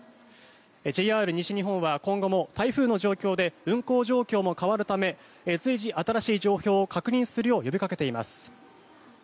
ＪＲ西日本は今後も台風の状況で運行状況も変わるため随時新しい情報を確認するよう呼びかけています。